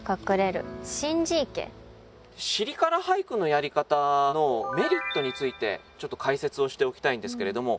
「尻から俳句」のやり方のメリットについてちょっと解説をしておきたいんですけれども。